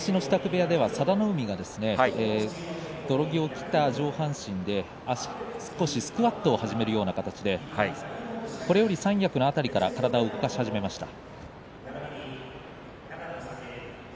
部屋では佐田の海が泥着を着た上半身で少しスクワットを始めるような形でこれより三役のあたりから体を動かし始めました。